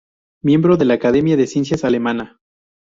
Miembro de la Academia de Ciencias alemana.